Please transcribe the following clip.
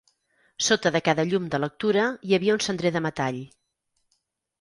Sota de cada llum de lectura hi havia un cendrer de metall.